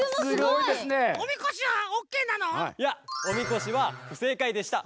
いやおみこしはふせいかいでした。